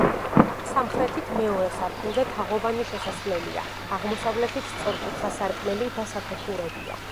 სამხრეთით მეორე სართულზე თაღოვანი შესასვლელია, აღმოსავლეთით სწორკუთხა სარკმელი და სათოფურებია.